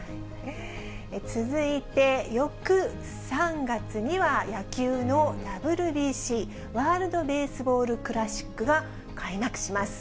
続いて翌３月には、野球のＷＢＣ・ワールドベースボールクラシックが開幕します。